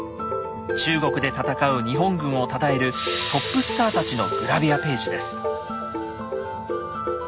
中国で戦う日本軍をたたえるトップスターたちのグラビアページです。